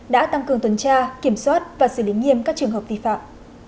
đã tăng cường tuần tra kiểm soát và xử lý nghiêm các trường hợp vi phạm